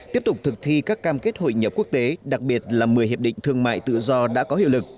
tiếp tục thực thi các cam kết hội nhập quốc tế đặc biệt là một mươi hiệp định thương mại tự do đã có hiệu lực